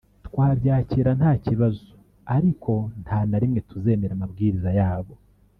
twabyakira nta kibazo; ariko nta na rimwe tuzemera amabwiriza yabo”